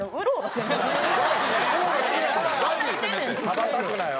羽ばたくなよ？